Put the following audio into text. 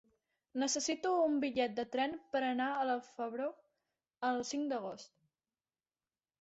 Necessito un bitllet de tren per anar a la Febró el cinc d'agost.